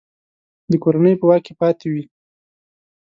د کورنۍ په واک کې پاته وي.